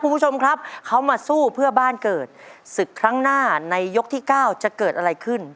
คุณผู้ชมครับเขามาสู้เพื่อบ้านเกิดศึกครั้งหน้าในยกที่เก้าจะเกิดอะไรขึ้น